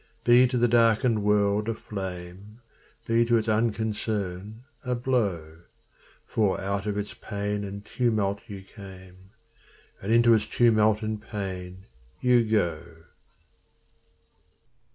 Be to the darkened world a flame; Be to its unconcern a blow For out of its pain and tumult you came, And into its tumult and pain you go.